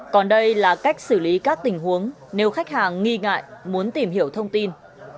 còn đây là cách xử lý các tình huống nếu khách hàng nghi ngại muốn tìm hiểu thông tin